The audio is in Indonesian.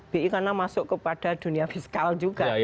bi karena masuk kepada dunia fiskal juga